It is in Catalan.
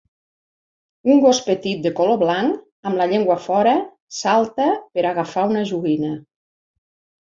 Un gos petit de color blanc, amb la llengua fora, salta per agafar una joguina.